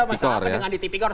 ada masalah apa dengan di tipikor